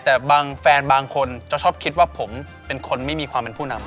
แต่บางแฟนบางคนจะชอบคิดว่าผมเป็นคนไม่มีความเป็นผู้นำ